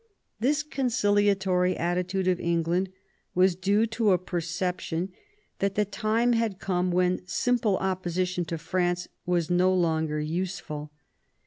^ This conciliatory attitude of England was due to a perception that the time had come when simple oppo sition to France was no longer useful.